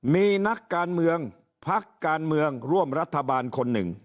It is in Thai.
มีนักการเมืองพักการเมืองร่วมรัฐบาลคนหนึ่ง